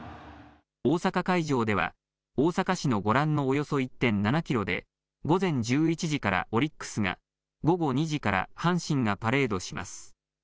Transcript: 大阪会場では、大阪市のご覧のおよそ１．７キロで午前１１時からオリックスが、午後２時から阪神がパレードします。